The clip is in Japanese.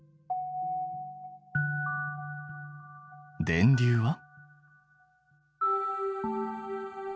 電流は。